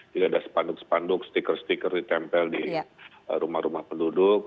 tidak ada spanduk spanduk stiker stiker ditempel di rumah rumah penduduk